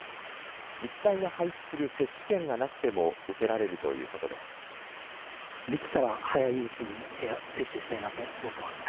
自治体が配布する接種券がなくても、受けられるということです。